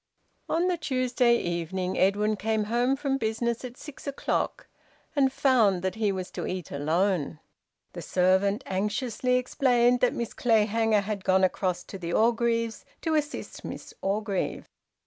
On the Tuesday evening Edwin came home from business at six o'clock, and found that he was to eat alone. The servant anxiously explained that Miss Clayhanger had gone across to the Orgreaves' to assist Miss Orgreave.